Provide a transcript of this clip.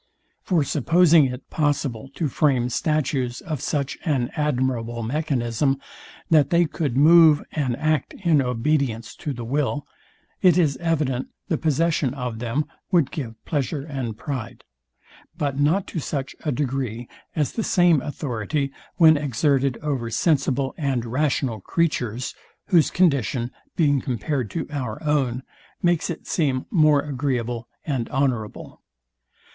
For supposing it possible to frame statues of such an admirable mechanism, that they could move and act in obedience to the will; it is evident the possession of them would give pleasure and pride, but not to such a degree, as the same authority, when exerted over sensible and rational creatures, whose condition, being compared to our own, makes it seem more agreeable and honourable.